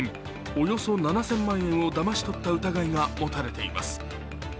およそ７０００万円をだまし取った疑いが持たれています。